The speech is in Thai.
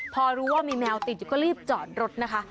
พอรู้ว่ามีแมวติดอยู่ก็รีบจอดรถนะคะ